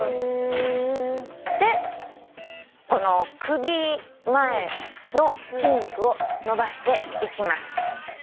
この首前の筋肉を伸ばしていきます。